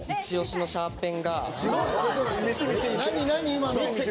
今の。